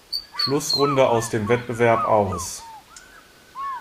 Schlussrunde aus dem Wettbewerb aus.